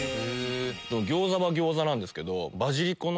餃子は餃子なんですけどバジリコの。